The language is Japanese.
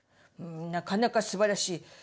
なかなかすばらしい。